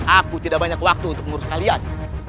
aku tidak banyak waktu untuk mengurus kalian